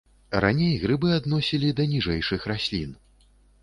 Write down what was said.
Раней грыбы адносілі да ніжэйшых раслін.